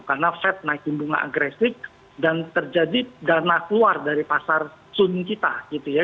karena fed naikin bunga agresif dan terjadi dana keluar dari pasar sun kita gitu ya